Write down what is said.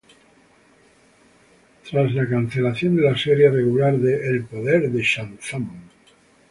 Tras la cancelación de la serie regular de "The Power of Shazam!